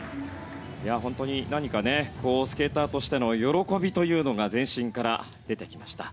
本当に、何かスケーターとしての喜びというのが全身から出てきました。